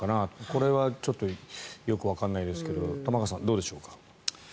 これはちょっとよくわからないですけど玉川さん、どうでしょうか。